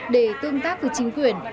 để tương tác với chính quyền